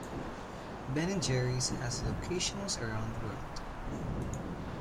Ben and Jerry's has locations around the world.